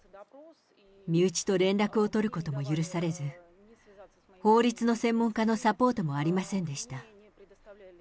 身内と連絡を取ることも許されず、法律の専門家のサポートもありませんでした。